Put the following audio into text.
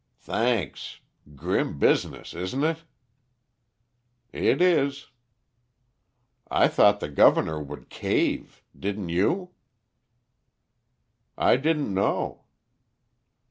"Thanks. Grim business, isn't it?" "It is." "I thought the governor would cave; didn't you?" "I didn't know."